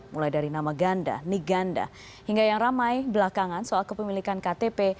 mulai dari nama ganda niganda hingga yang ramai belakangan soal kepemilikan ktp